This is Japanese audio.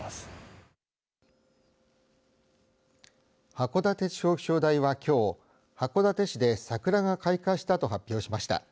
函館地方気象台はきょう函館市で桜が開花したと発表しました。